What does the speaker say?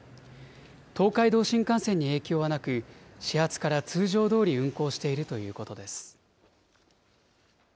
東海道新幹線に影響はなく、始発から通常どおり運行しているということです。